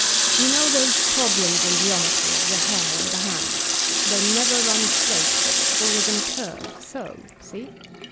You know those problems in geometry of the hare and the hounds — they never nin straight^ but always in a curve, so» see?